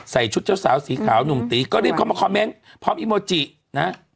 ชุดเจ้าสาวสีขาวหนุ่มตีก็รีบเข้ามาคอมเมนต์พร้อมอีโมจินะ